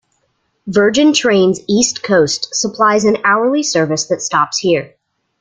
Virgin Trains East Coast supplies an hourly service that stops here.